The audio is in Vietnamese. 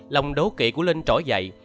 lòng đố kỵ của linh trỗi dậy